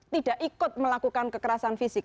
tidak ikut melakukan kekerasan fisik